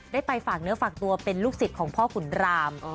ไปฝากเนื้อฝากตัวเป็นลูกศิษย์ของพ่อขุนราม